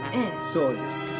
そうですか。